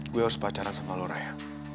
saya harus pacaran dengan kamu raya